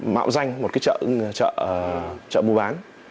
mạo danh một cái chợ mua bán